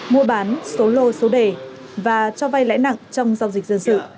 mua bán số lô số đề và cho vay lãi nặng trong giao dịch dân sự